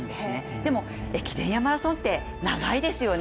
でも、駅伝やマラソンって長いですよね。